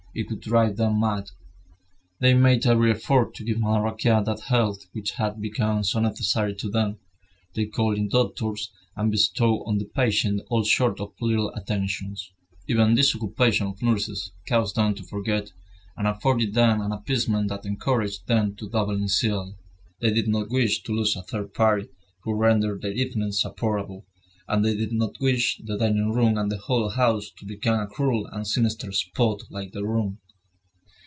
It would drive them mad. They made every effort to give Madame Raquin that health which had become so necessary to them. They called in doctors, and bestowed on the patient all sorts of little attentions. Even this occupation of nurses caused them to forget, and afforded them an appeasement that encouraged them to double in zeal. They did not wish to lose a third party who rendered their evenings supportable; and they did not wish the dining room and the whole house to become a cruel and sinister spot like their room.